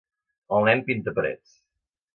El nen pinta parets.